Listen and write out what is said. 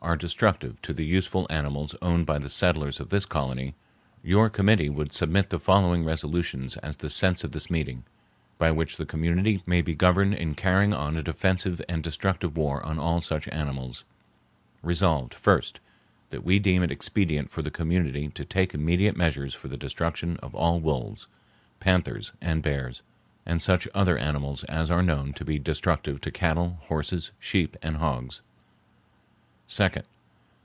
are destructive to the useful animals owned by the settlers of this colony, your committee would submit the following resolutions as the sense of this meeting, by which the community may be governed in carrying on a defensive and destructive war on all such animals:— Resolved, 1st.—That we deem it expedient for the community to take immediate measures for the destruction of all wolves, panthers, and bears, and such other animals as are known to be destructive to cattle, horses, sheep and hogs. 2d.